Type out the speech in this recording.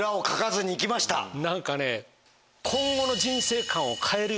何かね。